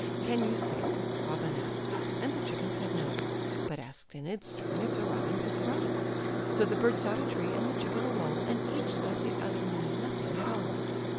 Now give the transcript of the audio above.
"Can you sing?" robin asked, and the chicken said "No;" But asked in its turn if the robin could crow. So the bird sought a tree and the chicken a wall, And each thought the other knew nothing at all.